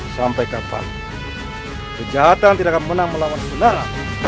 sampai kapan kejahatan tidak menang melawan selera